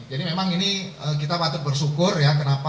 jadi memang ini kita patut bersyukur ya kenapa